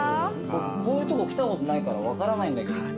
僕こういうとこ来たことないから分からないんだけど。